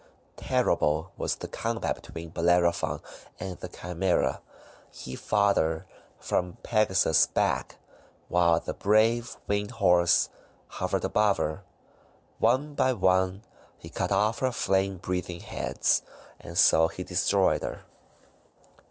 Terrible was the combat between Bellerophon and the Chimsera. He fought her from Pegasus' back, while the brave, Winged Horse hovered above her. One by one he cut off her flame breathing heads; and so he destroyed her.